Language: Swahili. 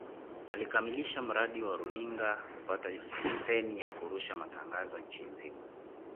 Alikamilisha mradi wa runinga kupata leseni ya kurusha matangazo nchi nzima